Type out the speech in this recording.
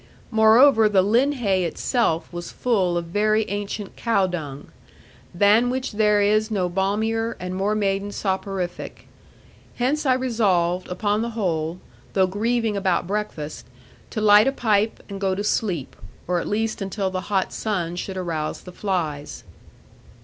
Moreover, the linhay itself was full of very ancient cow dung; than which there is no balmier and more maiden soporific. Hence I resolved, upon the whole, though grieving about breakfast, to light a pipe, and go to sleep; or at least until the hot sun should arouse the flies.